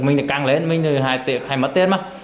mình càng lên mình hay tiếc hay mất tiền mà